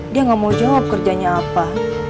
dia gak mau jawab kerjanya apa